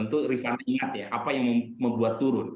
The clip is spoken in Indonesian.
itu rifat ingat ya apa yang membuat turun